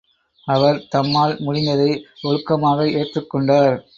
அவர் தம்மால் முடிந்ததை ஒழுக்கமாக ஏற்றுக் கொண்டார்.